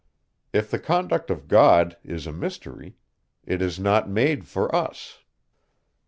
If the conduct of God is a mystery, it is not made for us.